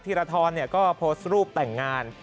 ธรทรก็โพสต์รูปแต่งงาน